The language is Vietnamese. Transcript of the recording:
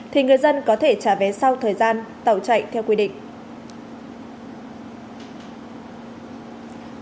thì người dân có thể trả vé sau thời gian tàu chạy theo quy định